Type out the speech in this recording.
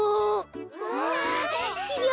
うわいやブ！